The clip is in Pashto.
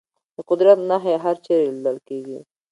د قدرت نښې هرچېرې لیدل کېږي.